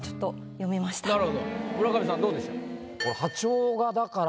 村上さんどうでしょう？